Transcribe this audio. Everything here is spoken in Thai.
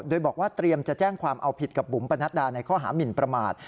โดยบอกว่าเตรียมจะแจ้งความเอาผิดกับบุ๋มปนัดดาในข้อหามินประมาท